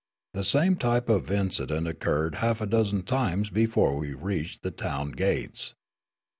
The same t3^.pe of incid ent occurred half a dozen times before we reached the town gates.